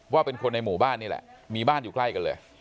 ว่าเป็นคนในหมู่บ้านนี่แหละมีบ้านอยู่ใกล้กันเลย